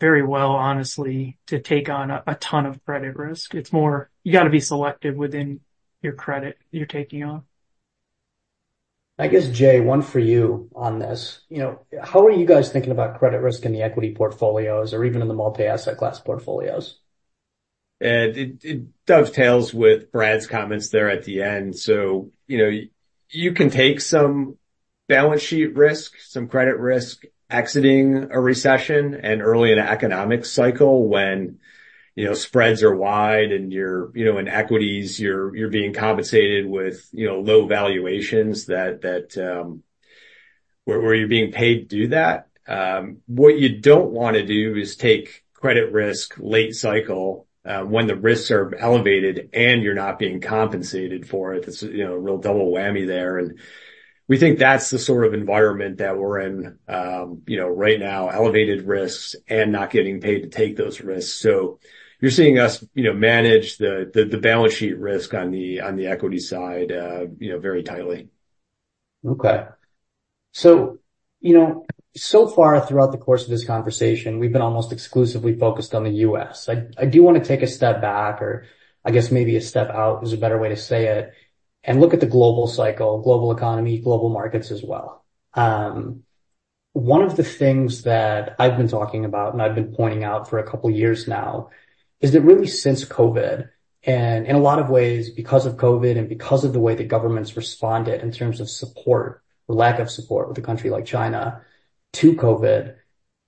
very well, honestly, to take on a ton of credit risk. It's more you've gotta be selective within your credit you're taking on. I guess, Jay, one for you on this. You know, how are you guys thinking about credit risk in the equity portfolios or even in the multi-asset-class portfolios? It dovetails with Brad's comments there at the end. So, you know, you can take some balance sheet risk, some credit risk exiting a recession and early in an economic cycle when, you know, spreads are wide and you're, you know, in equities, you're being compensated with, you know, low valuations that where you're being paid to do that. What you don't wanna do is take credit risk late cycle when the risks are elevated and you're not being compensated for it. It's, you know, a real double whammy there. And we think that's the sort of environment that we're in, you know, right now, elevated risks and not getting paid to take those risks, so you're seeing us, you know, manage the balance sheet risk on the equity side, you know, very tightly. Okay. So, you know, so far throughout the course of this conversation, we've been almost exclusively focused on the U.S. I do wanna take a step back, or I guess maybe a step out is a better way to say it, and look at the global cycle, global economy, global markets as well. One of the things that I've been talking about and I've been pointing out for a couple of years now is that really, since COVID, and in a lot of ways because of COVID and because of the way the governments responded in terms of support or lack of support with a country like China to COVID,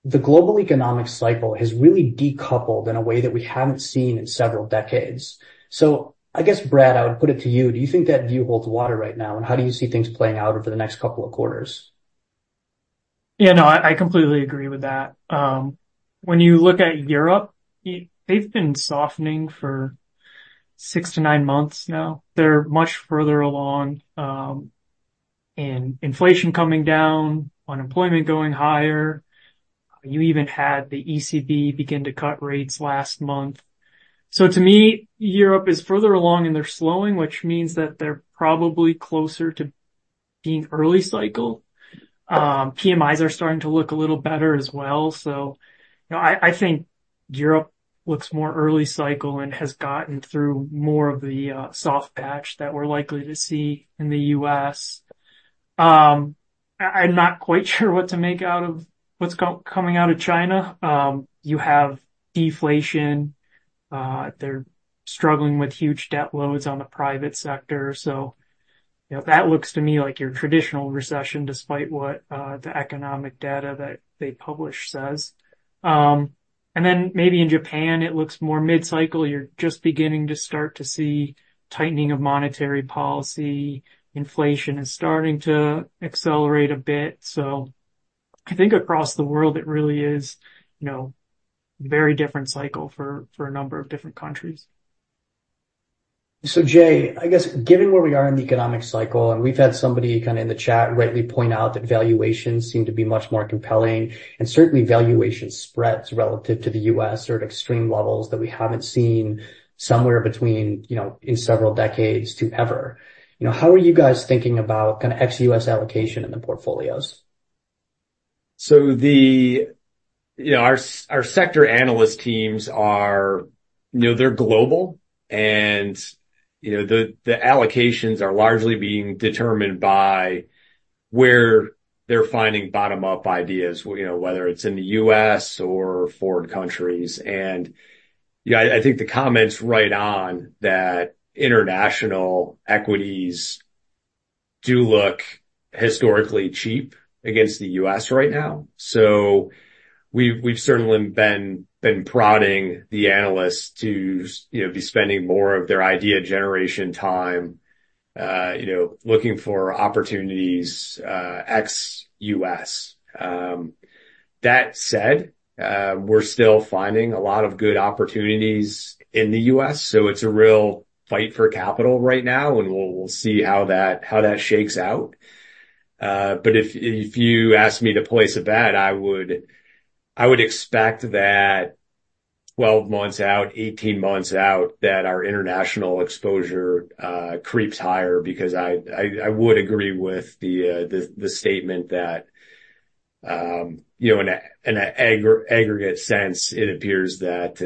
the global economic cycle has really decoupled in a way that we haven't seen in several decades. So I guess, Brad, I would put it to you. Do you think that view holds water right now? How do you see things playing out over the next couple of quarters? Yeah, no, I completely agree with that. When you look at Europe, they've been softening for six-nine months now. They're much further along in inflation coming down, unemployment going higher. You even had the ECB begin to cut rates last month. So to me, Europe is further along in their slowing, which means that they're probably closer to being early cycle. PMIs are starting to look a little better as well. So, you know, I think Europe looks more early cycle and has gotten through more of the soft patch that we're likely to see in the U.S. I'm not quite sure what to make out of what's coming out of China. You have deflation, they're struggling with huge debt loads on the private sector. So, you know, that looks to me like your traditional recession despite what the economic data that they publish says. And then maybe in Japan, it looks more mid-cycle. You're just beginning to start to see tightening of monetary policy. Inflation is starting to accelerate a bit. So I think, across the world, it really is, you know, very different cycle for a number of different countries. So, Jay, I guess, given where we are in the economic cycle, and we've had somebody kinda in the chat rightly point out that valuations seem to be much more compelling, and certainly, valuation spreads relative to the U.S. are at extreme levels that we haven't seen somewhere between, you know, in several decades to ever, you know, how are you guys thinking about kind of ex U.S. allocation in the portfolios? So the, you know, our sector analyst teams are, you know, they're global, and, you know, the allocations are largely being determined by where they're finding bottom-up ideas, you know, whether it's in the U.S. or foreign countries. And I think the comment is right on, that international equities do look historically cheap against the U.S. right now, so we've certainly been prodding the analysts to, you know, be spending more of their idea generation time, you know, looking for opportunities ex U.S. That said, we're still finding a lot of good opportunities in the U.S. So it's a real fight for capital right now, and we'll see how that shakes out. But if you ask me to place a bet, I would expect that, 12 months out, 18 months out, that our international exposure creeps higher, because I would agree with the statement that, you know, in an aggregate sense, it appears that,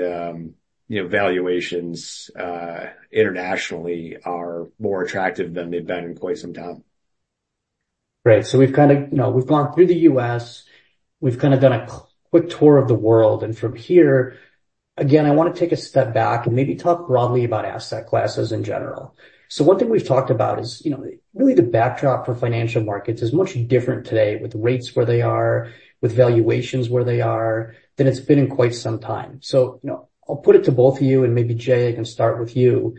you know, valuations internationally are more attractive than they've been in quite some time. Great. So we've kinda, you know, we've gone through the U.S., we've kinda done a quick tour of the world. And from here, again I wanna take a step back and maybe talk broadly about asset classes in general. So one thing we've talked about is, you know, really, the backdrop for financial markets is much different today, with rates where they are, with valuations where they are, than it's been in quite some time. So, you know, I'll put it to both of you, and maybe, Jay, I can start with you.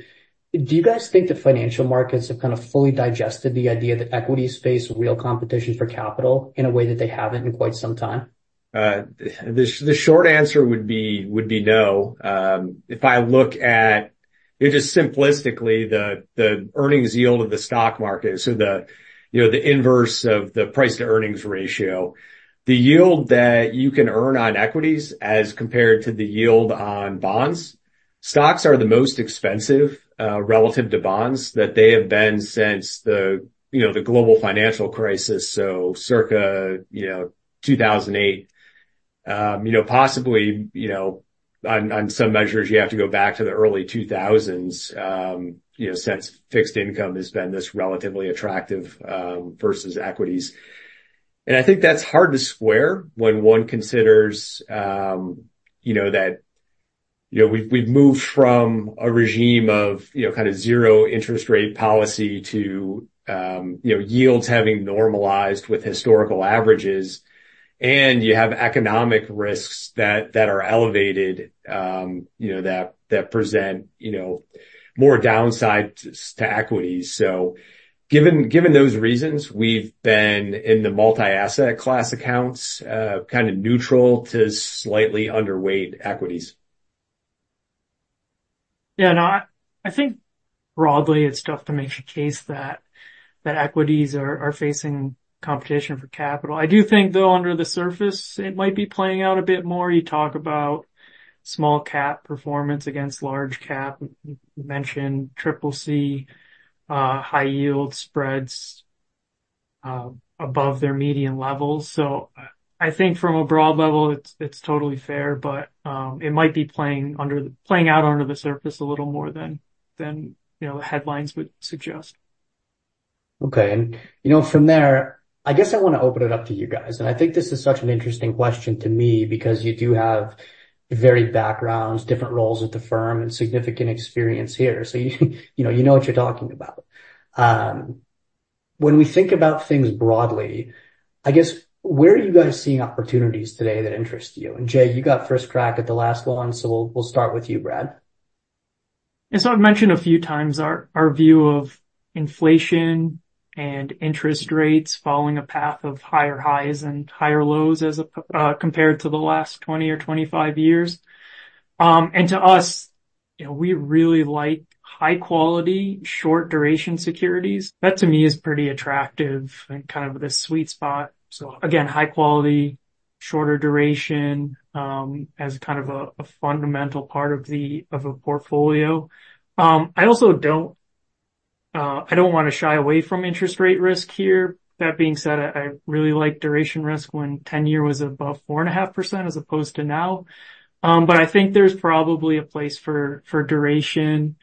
Do you guys think the financial markets have kind of fully digested the idea that equity space is real competition for capital in a way that they haven't in quite some time? The short answer would be no, if I look at just simplistically the earnings yield of the stock market, so the, you know, the inverse of the price-to-earnings ratio. The yield that you can earn on equities as compared to the yield on bonds, stocks are the most expensive, relative to bonds, that they have been since the, you know, the global financial crisis, so circa, you know, 2008. You know, possibly, you know, on some measures, you have to go back to the early 2000s, you know, since fixed income has been this relatively attractive versus equities. And I think that's hard to square when one considers, you know, that, you know, we've moved from a regime of, you know, kind of zero interest rate policy to, you know, yields having normalized with historical averages, and you have economic risks that are elevated, you know, that present, you know, more downside to equities. So given those reasons, we've been in the multi-asset-class accounts, kind of neutral to slightly underweight equities. Yeah, no, I think broadly it's tough to make a case that equities are facing competition for capital. I do think, though, under the surface, it might be playing out a bit more. You talk about small cap performance against large cap. You mentioned CCC high yield spreads above their median levels. So I think, from a broad level, it's totally fair, but it might be playing out under the surface a little more than, you know, headlines would suggest. Okay. You know, from there, I guess I want to open it up to you guys, and I think this is such an interesting question to me because you do have varied backgrounds, different roles at the firm, and significant experience here. So you know, you know what you're talking about. When we think about things broadly, I guess, where are you guys seeing opportunities today that interest you? And Jay, you got first crack at the last one, so we'll start with you, Brad. I've mentioned a few times our view of inflation and interest rates following a path of higher highs and higher lows as compared to the last 20 or 25 years. And to us, you know, we really like high-quality, short-duration securities. That to me is pretty attractive and kind of the sweet spot. So again, high quality, shorter duration as kind of a fundamental part of a portfolio. I also don't want to shy away from interest rate risk here. That being said, I really like duration risk when 10-year was above 4.5%, as opposed to now, but I think there's probably a place for duration,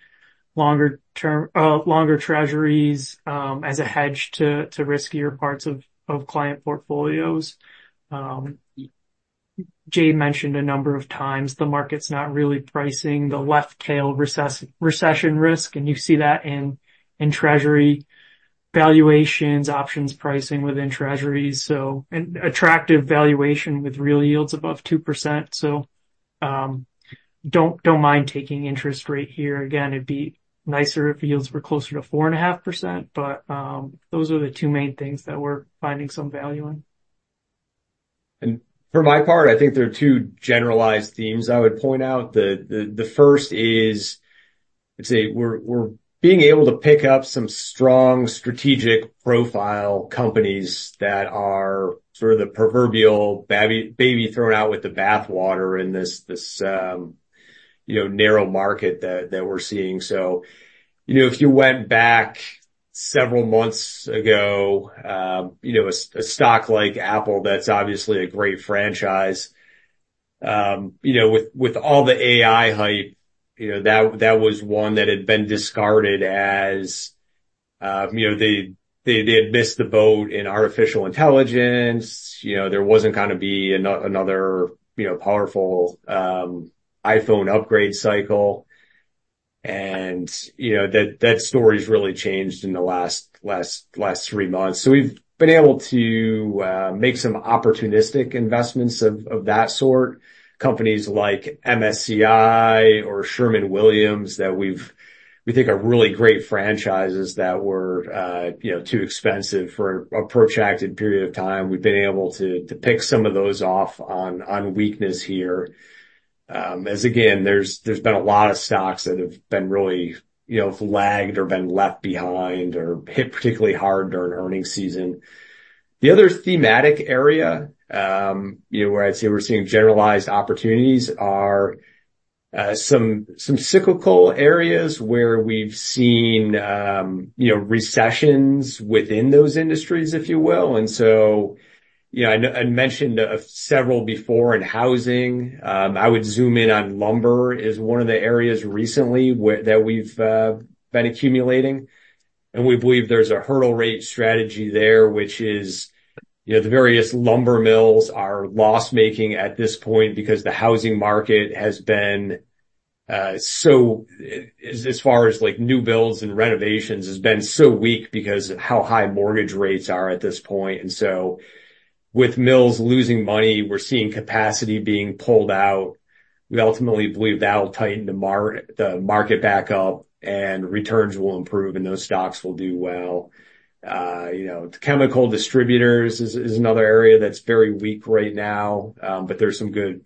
longer treasuries, as a hedge to riskier parts of client portfolios. Jay mentioned a number of times the market is not really pricing the left tail recession risk, and you see that in treasury valuations, options pricing within treasuries, and attractive valuation with real yields above 2%. Don't mind taking interest rate here. Again, it'd be nicer if yields were closer to 4.5%, but those are the two main things that we're finding some value in. For my part, I think there are two generalized themes I would point out. The first is I'd say we're being able to pick up some strong strategic profile companies that are sort of the proverbial baby thrown out with the bathwater in this, you know, narrow market that we're seeing. So, you know, if you went back several months ago, you know, a stock like Apple, that's obviously a great franchise. You know, with all the AI hype, you know, that was one that had been discarded as, you know, they had missed the boat in artificial intelligence. You know, there wasn't gonna be another, you know, powerful iPhone upgrade cycle. And, you know, that story has really changed in the last three months. So we've been able to make some opportunistic investments of that sort, companies like MSCI or Sherwin-Williams that we think are really great franchises that were, you know, too expensive for a protracted period of time. We've been able to pick some of those off on weakness here, as again, there's been a lot of stocks that have been really, you know, flagged or been left behind or hit particularly hard during earnings season. The other thematic area, you know, where I'd say we're seeing generalized opportunities are some cyclical areas where we've seen, you know, recessions within those industries, if you will. So, you know, I mentioned several before, in housing, I would zoom in on lumber as one of the areas recently that we've been accumulating. And we believe there's a hurdle rate strategy there, which is, you know, the various lumber mills are loss-making at this point because the housing market has been so weak as far as like new builds and renovations because of how high mortgage rates are at this point. So with mills losing money, we're seeing capacity being pulled out. We ultimately believe that will tighten the market back up, and returns will improve, and those stocks will do well. You know, chemical distributors is another area that's very weak right now, but there are some good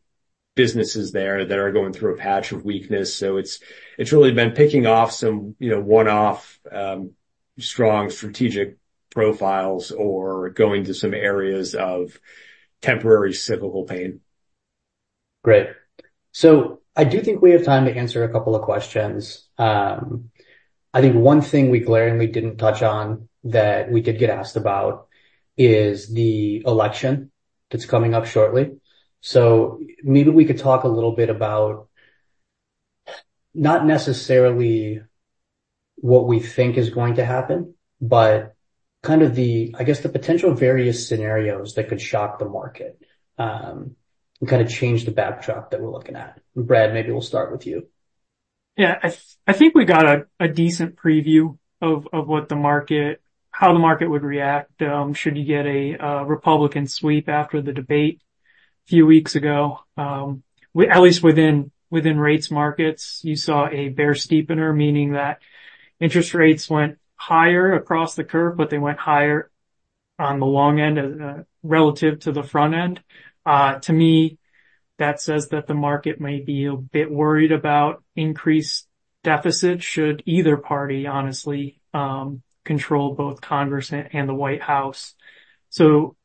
businesses there that are going through a patch of weakness. So it's really been picking off some, you know, one-off strong, strategic profiles or going to some areas of temporary cyclical pain. Great. So I do think we have time to answer a couple of questions. I think one thing we glaringly didn't touch on that we did get asked about is the election that's coming up shortly, so maybe we could talk a little bit about not necessarily what we think is going to happen but kind of the, I guess, the potential various scenarios that could shock the market and kind of change the backdrop that we're looking at. Brad, maybe we'll start with you. Yeah, I think we got a decent preview of how the market would react should you get a Republican sweep after the debate a few weeks ago. We, at least within rates markets, you saw a bear steepener, meaning that interest rates went higher across the curve, but they went higher on the long end relative to the front end. To me, that says that the market may be a bit worried about increased deficit should either party, honestly, control both Congress and the White House. So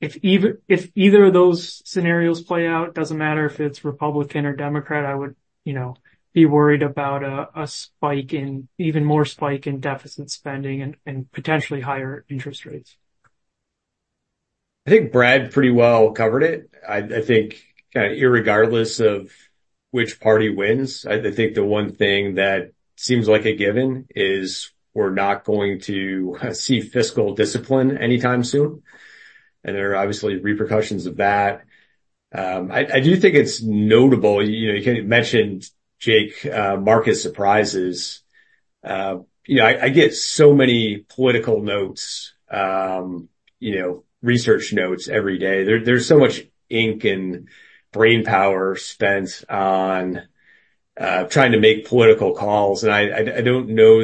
if either of those scenarios play out, doesn't matter if it's Republican or Democrat, I would, you know, be worried about a spike in, even more spike in deficit spending and potentially higher interest rates. I think Brad pretty well covered it. I think kind of regardless of which party wins, I think the one thing that seems like a given is we're not going to see fiscal discipline anytime soon, and there are obviously repercussions of that. I do think it's notable. You know, you mentioned, Jake, market surprises. You know, I get so many political notes, you know, research notes every day. There's so much ink and brainpower spent on trying to make political calls, and I don't know.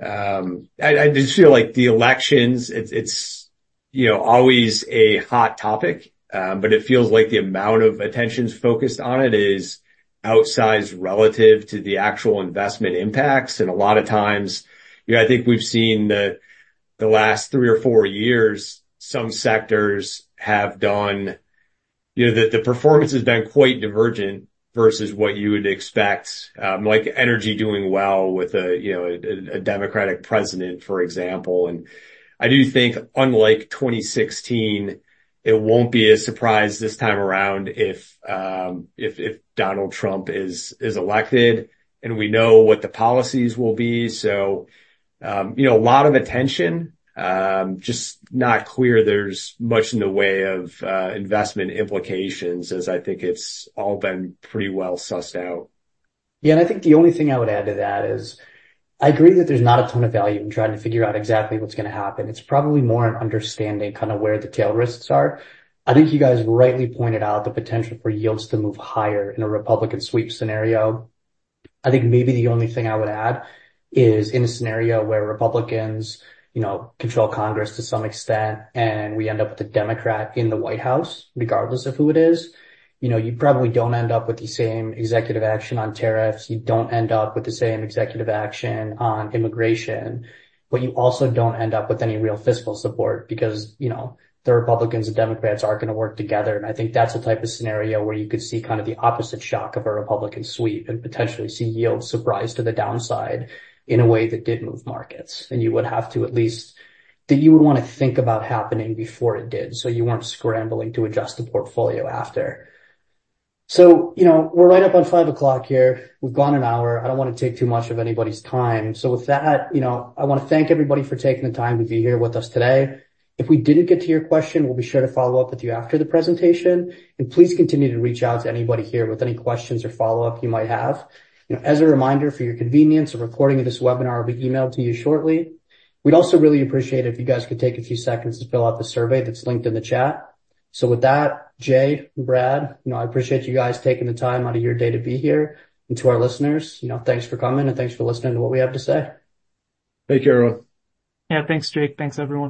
I just feel like, the elections, it's you know, always a hot topic, but it feels like the amount of attention focused on it is outsized relative to the actual investment impacts. A lot of times, you know, I think we've seen, the last three or four years, some sectors have done. You know, the performance has been quite divergent versus what you would expect, like energy doing well with a Democratic president, for example. And I do think, unlike 2016, it won't be a surprise this time around if Donald Trump is elected, and we know what the policies will be. So, you know, a lot of attention, just not clear there's much in the way of investment implications, as I think it's all been pretty well sussed out. Yeah, and I think the only thing I would add to that is I agree that there's not a ton of value in trying to figure out exactly what's gonna happen. It's probably more an understanding kind of where the tail risks are. I think you guys rightly pointed out the potential for yields to move higher in a Republican sweep scenario. I think maybe the only thing I would add is, in a scenario where Republicans, you know, control Congress to some extent and we end up with a Democrat in the White House, regardless of who it is, you know, you probably don't end up with the same executive action on tariffs, you don't end up with the same executive action on immigration, but you also don't end up with any real fiscal support because, you know, the Republicans and Democrats aren't gonna work together. I think that's the type of scenario where you could see kind of the opposite shock of a Republican sweep and potentially see yields surprise to the downside in a way that did move markets. You would have to at least that you would want to think about happening before it did so you weren't scrambling to adjust the portfolio after. So, you know, we're right up on 5:00 P.M. here. We've gone an hour. I don't want to take too much of anybody's time. So with that, you know, I wanna thank everybody for taking the time to be here with us today. If we didn't get to your question, we'll be sure to follow up with you after the presentation, and please continue to reach out to anybody here with any questions or follow-up you might have. You know, as a reminder, for your convenience, a recording of this webinar will be emailed to you shortly. We'd also really appreciate it if you guys could take a few seconds to fill out the survey that's linked in the chat. So with that, Jay and Brad, you know, I appreciate you guys taking the time out of your day to be here. And to our listeners, you know, thanks for coming, and thanks for listening to what we have to say. Take care, everyone. Yeah. Thanks, Jake. Thanks, everyone.